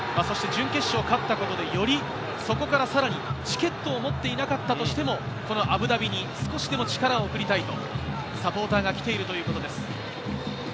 準決勝に勝ったことでよりそこからさらにチケットを持っていなかったとしても、このアブダビに少しでも力を送りたいとサポーターが来ているということです。